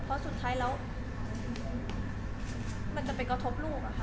เพราะสุดท้ายแล้วมันจะไปกระทบลูกอะค่ะ